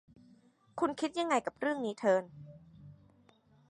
คุณคิดยังไงกับเรื่องนี้ เทิร์น